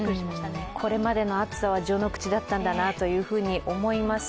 これまでの暑さは序の口だったんだなと思います。